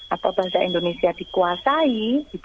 atau bahasa indonesia dikuasai